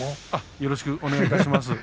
よろしくお願いします。